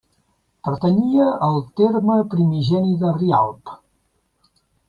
Pertanyia al terme primigeni de Rialp.